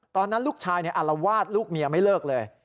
ตอนนั้นลูกชายอารวาสลูกเมียไม่เลิกเลย